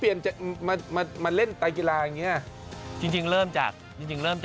อยากเลิกสวบุรี